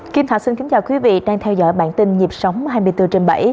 kim thọ xin kính chào quý vị đang theo dõi bản tin nhịp sóng hai mươi bốn trên bảy